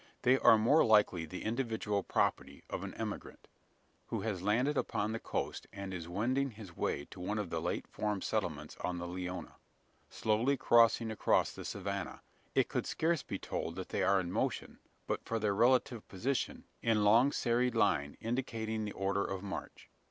They are more likely the individual property of an emigrant; who has landed upon the coast, and is wending his way to one of the late formed settlements on the Leona. Slowly crawling across the savannah, it could scarce be told that they are in motion; but for their relative position, in long serried line, indicating the order of march.